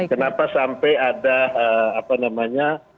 kenapa sampai ada apa namanya